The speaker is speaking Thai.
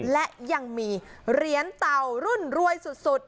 และยังมีเหรียญเต่ารุ่นรวยสุด